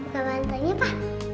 mau bantunya papa